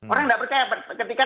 orang tidak percaya ketika